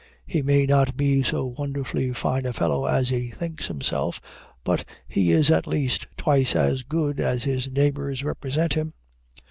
He may not be so wonderfully fine a fellow as he thinks himself, but he is at least twice as good as his neighbors represent him.